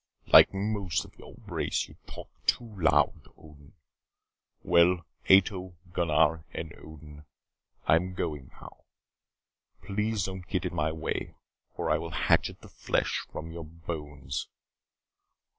"Like most of your race, you talk too loud, Odin. Well, Ato, Gunnar, and Odin, I am going now. Please don't get in my way or I will hatchet the flesh from your bones."